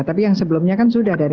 tapi yang sebelumnya kan sudah dari